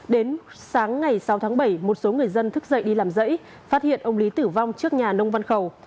đến sáng ngày sáu tháng bảy một số người dân thức dậy đi làm dãy phát hiện ông lý tử vong trước nhà nông văn khẩu